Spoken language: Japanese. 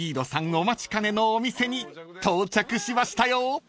お待ちかねのお店に到着しましたよ］